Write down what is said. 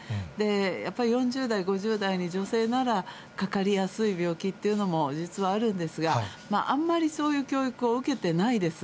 やっぱり４０代、５０代に女性ならかかりやすい病気っていうのも実はあるんですが、あんまりそういう教育を受けてないです。